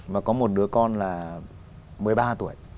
và có một đứa con là một mươi ba tuổi